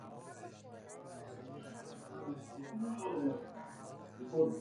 با ابزار متنبازی میتوانید متن را به صدا تبدیل کنید.